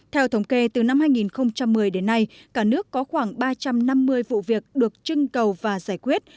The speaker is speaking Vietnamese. theo thống kê từ năm hai nghìn một mươi đến nay cả nước có khoảng ba trăm năm mươi vụ việc được trưng cầu và giải quyết